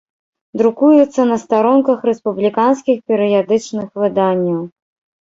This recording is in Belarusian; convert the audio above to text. Друкуецца на старонках рэспубліканскіх перыядычных выданняў.